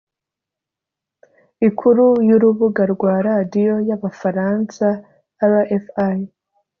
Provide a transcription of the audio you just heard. Ikuru y’urubuga rwa Radio y’Abfaransa Rfi